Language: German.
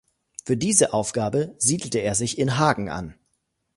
Für diese Aufgabe siedelte er sich in Hagen an.